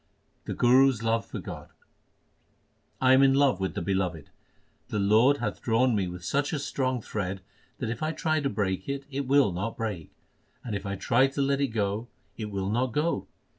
The Guru s love for God : I am in love with the Beloved. The Lord hath drawn me with such a strong thread that if I try to break it, it will not break ; and if I try to let it go, it will not go.